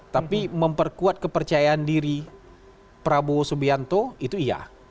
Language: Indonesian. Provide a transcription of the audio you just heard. tapi memperkuat kepercayaan diri prabowo subianto itu iya